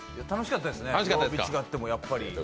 楽しかったですね、曜日違ってもやっぱり。